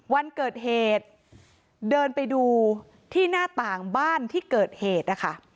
วันเกิดเหตุเดินไปดูที่หน้าต่างบ้านที่เกิดเหตุนะคะ